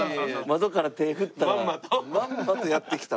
窓から手振ったらまんまとやって来た。